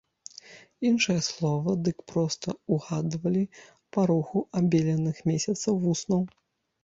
Іншае слова дык проста ўгадвалі па руху абеленых месяцам вуснаў.